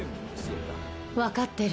分かってる。